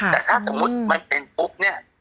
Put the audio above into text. แต่ถ้าสมมุติมันเป็นปุ๊บเนี่ย